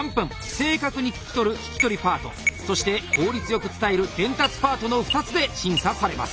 正確に聞き取る聞き取りパートそして効率よく伝える伝達パートの２つで審査されます。